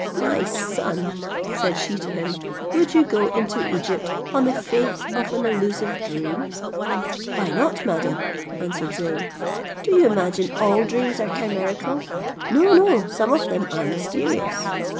"My son," said she to him, "would you go into Egypt on the faith of an illusive dream?" "Why not, madam," answered Zeyn, "do you imagine all dreams are chimerical? No, no, some of them are mysterious.